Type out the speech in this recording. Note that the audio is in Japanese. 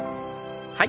はい。